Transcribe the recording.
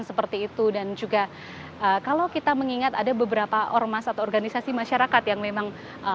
seperti itu dan juga kalau kita mengingat ada beberapa ormas atau organisasi masyarakat yang memang